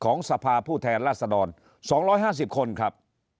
สภาผู้แทนราษฎร๒๕๐คนครับ